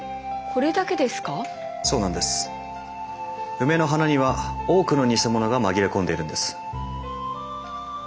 ウメの花には多くのニセモノが紛れ込んでいるんです。